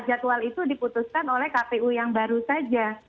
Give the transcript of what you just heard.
jadwal itu diputuskan oleh kpu yang baru saja